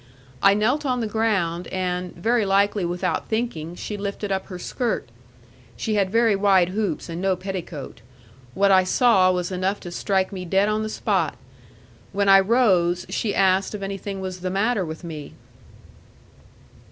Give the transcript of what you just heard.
I knelt on the ground, and, very likely without thinking, she lifted up her skirt.... she had very wide hoops and no petticoat.... what I saw was enough to strike me dead on the spot.... When I rose, she asked if anything was the matter with me.